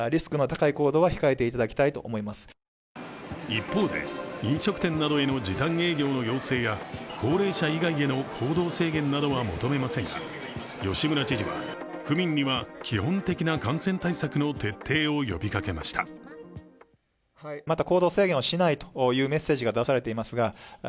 一方で、飲食店などへの時短営業の要請や高齢者以外への行動制限などは求めませんが吉村知事は府民には基本的な感染対策の徹底を呼びかけました。